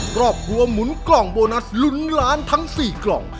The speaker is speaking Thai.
ครอบครัวหมุนกล่องโบนัสลุ้นล้านทั้ง๔กล่อง